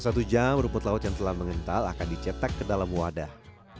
setelah satu jam rumput laut yang telah mengental akan dicetak ke dalam wadah